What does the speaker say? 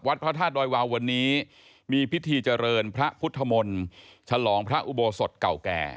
พระธาตุดอยวาววันนี้มีพิธีเจริญพระพุทธมนตร์ฉลองพระอุโบสถเก่าแก่